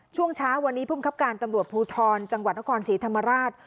ช่วงเช้าวันนี้ภูมิครับการตำรวจภูทรจังหวัดนครศรีธรรมราช